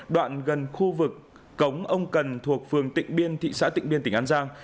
đoạn gần khu vực cống ông cần thuộc phường tỉnh biên thị xã tỉnh biên tỉnh an giang